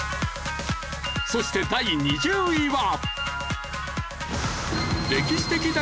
そして第２０位は。